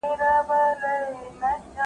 دا موضوع تر نورو موضوعاتو ډېره سخته ده.